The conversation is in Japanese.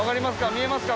見えますか？